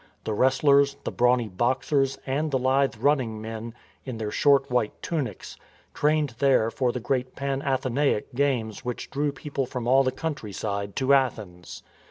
The wrestlers, the brawny boxers, and the lithe run ning men in their short white tunics, trained there for the great Pan athenaic games which drew people from all the country side to Athens.